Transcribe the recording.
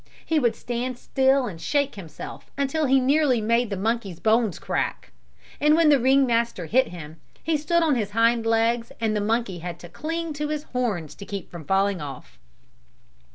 He would stand still and shake himself until he nearly made the monkey's bones crack; and when the ring master hit him, he stood on his hind legs and the monkey had to cling to his horns to keep from falling off.